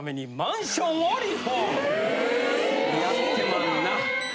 やってまんなぁ。